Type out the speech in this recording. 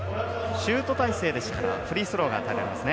シュート体勢でしたのでフリースローが与えられますね。